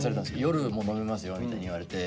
「夜も飲めますよ」みたいに言われて。